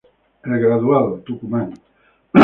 El Graduado, Tucumán.